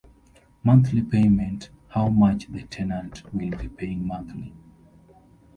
"Monthly Payment" - How much the tenant will be paying monthly.